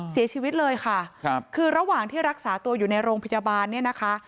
เสียชีวิตเลยค่ะครับคือระหว่างที่รักษาตัวอยู่ในโรงพยาบาลเนี่ยนะคะ